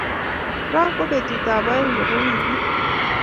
Ra ko petut ab oeng nebo wikit